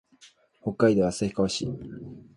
北海道旭川市